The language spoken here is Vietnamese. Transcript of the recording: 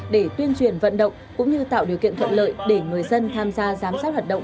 để tuyên truyền vận động cũng như tạo điều kiện thuận lợi để người dân tham gia giám sát hoạt động